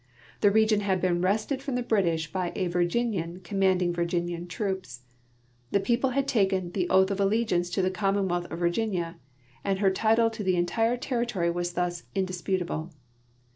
The region had been wrested from the British by a Virginian commanding Virginian troops ; the people had taken 'the oath of allegiance to the commonwealth of Vir ginia,' and her title to the entire territory was thus indisputable.